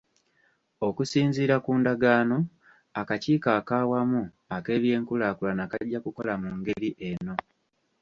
Okusinziira ku ndagaano, akakiiko ak'awamu ak'ebyenkulaakulana kajja kukola mu ngeri eno.